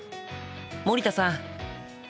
森田さん